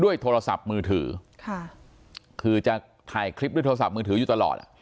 โทรศัพท์มือถือค่ะคือจะถ่ายคลิปด้วยโทรศัพท์มือถืออยู่ตลอดอ่ะ